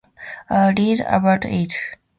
I read about it.